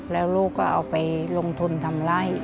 แล้วลูกก็เอาไปลงทุนทำไล่